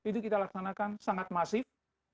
itu kita laksanakan sangat masif